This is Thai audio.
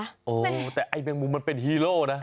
โอ้โหแต่ไอ้แมงมุมมันเป็นฮีโร่นะ